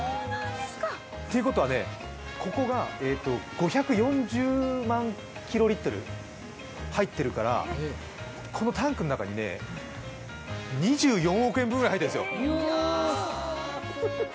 てことはね、ここ５４０万キロリットル入っているから、このタンクの中にね、２４億円分くらい入ってるんですよ。